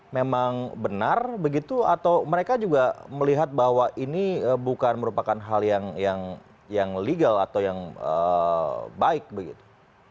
memang benar begitu atau mereka juga melihat bahwa ini bukan merupakan hal yang legal atau yang baik begitu